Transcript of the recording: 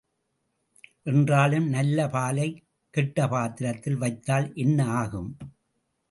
என்றாலும் நல்ல பாலைக் கெட்ட பாத்திரத்தில் வைத்தால் என்ன ஆகும்?